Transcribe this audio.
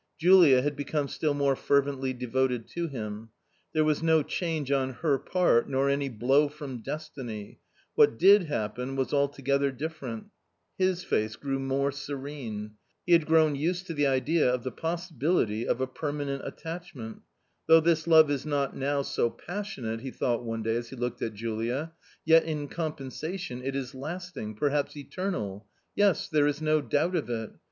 Julia had become still more fervently de voted to him. There was no change on her part nor any blow from destiny ; what did happen was altogether differ ent His face grew more serene. He had grown used to the idea of the possibility of a permanent attachment. " Though this love is not now so passionate," he thought one day, as he looked at Julia, " yet in compensation it is last ing, perhaps eternal ! Yes, there is no doubt of it.